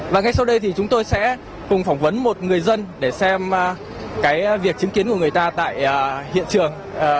và ngay sau đây thì chúng tôi sẽ cùng phỏng vấn một người dân để xem cái việc chứng kiến của người ta tại hiện trường